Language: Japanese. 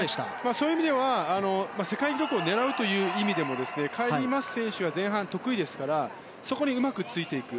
そういう意味では世界記録を狙うという意味でもカイリー・マス選手は前半得意ですからそこにうまくついていく。